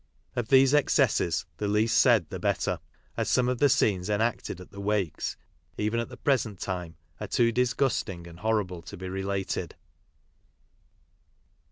Of these excesses the least said the better, as some of the scenes enacted at the wakes, even at the present time, are too disgusting and horrible to be related.